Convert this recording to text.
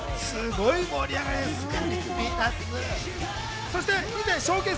すごい盛り上がりですね。